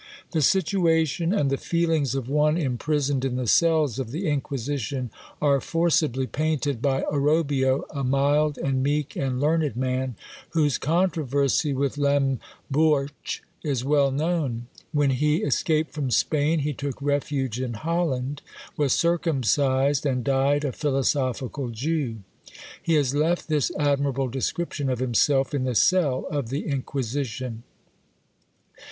The situation and the feelings of one imprisoned in the cells of the Inquisition are forcibly painted by Orobio, a mild, and meek, and learned man, whose controversy with Limborch is well known. When he escaped from Spain he took refuge in Holland, was circumcised, and died a philosophical Jew. He has left this admirable description of himself in the cell of the Inquisition.